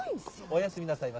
おやすみなさい。